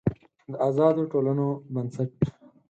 د آزادو ټولنو بنسټ